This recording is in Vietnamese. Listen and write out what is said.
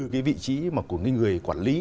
cái vị trí của người quản lý